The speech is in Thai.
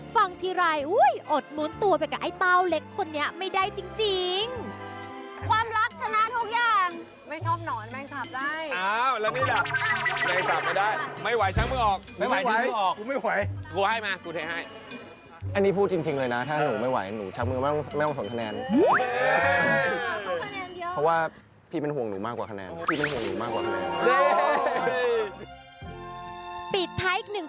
ฟังทีไรอดมุดตัวไปกับไอ้เต้าเล็กคนนี้ไม่ได้จริง